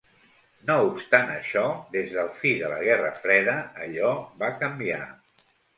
No obstant això, des del fi de la Guerra Freda allò va canviar.